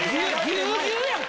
ぎゅうぎゅうやん。